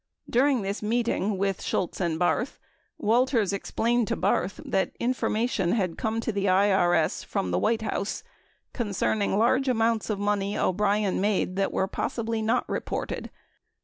During this meeting with Shultz and Barth, Walters explained to Barth that information had come to the IBS from the White House concerning large amounts of money O'Brien made that were possibly not reported.